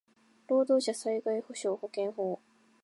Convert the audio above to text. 労働者災害補償保険法